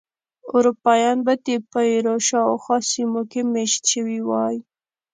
اروپایان به د پیرو شاوخوا سیمو کې مېشت شوي وای.